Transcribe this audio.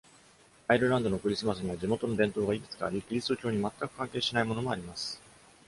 アイルランドのクリスマスには地元の伝統がいくつかあり、キリスト教に全く関係しないものもあります。